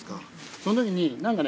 その時に何かね